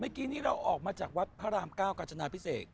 เมื่อกี้นี้เราออกมาจากวัดพระราม๙กาจนาพิเศษ